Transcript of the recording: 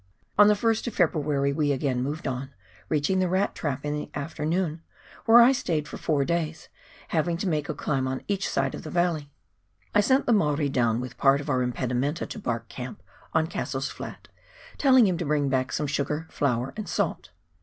On the Ist of February we again moved on, reaching the Rat trap in the afternoon, where I stayed for four days, having to make a climb on each side of the valley. I sent the 250 PIONEER WORK IN THE ALPS OF NEW ZEALAND. Maori down with part of our impedimenta to Bark Camp on Cassell's Flat, telling him to bring back some sugar, flour, and salt.